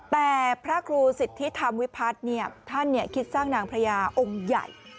แต่พระครูสิทธิธรรมวิพัฒน์ท่านคิดสร้างนางพระยาองค์ใหญ่